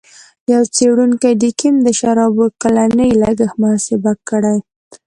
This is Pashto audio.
یوه څېړونکي د کیم د شرابو کلنی لګښت محاسبه کړی.